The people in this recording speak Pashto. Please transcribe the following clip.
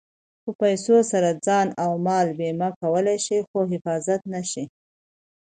په پیسو سره ځان او مال بیمه کولی شې خو حفاظت نه شې.